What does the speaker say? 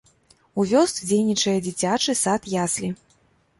У вёсцы дзейнічае дзіцячы сад-яслі.